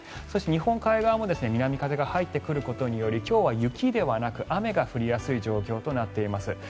そして日本海側も南風が入ってくることにより今日は雪ではなく雨が降りやすい状況となっています。